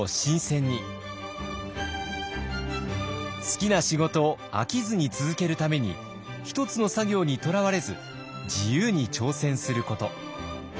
好きな仕事を飽きずに続けるために１つの作業にとらわれず自由に挑戦すること。